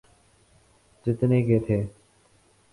جتنے کے تھے۔